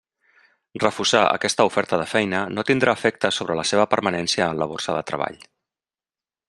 Refusar aquesta oferta de feina no tindrà efectes sobre la seva permanència en la borsa de treball.